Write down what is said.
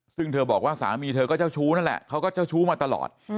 ซึ่งเธอบอกว่าสามีเธอก็เจ้าชู้นั่นแหละเขาก็เจ้าชู้มาตลอด